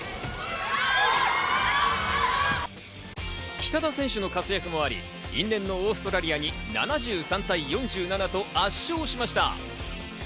北田選手の活躍もあり、因縁のオーストラリアに７３対４７と圧勝しました。